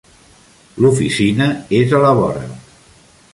L'oficina és a la vora.